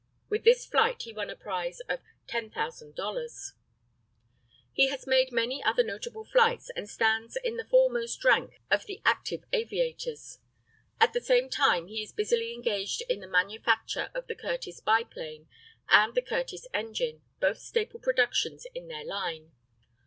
With this flight he won a prize of $10,000. He has made many other notable flights and stands in the foremost rank of the active aviators. At the same time he is busily engaged in the manufacture of the Curtiss biplane and the Curtiss engine, both staple productions in their line.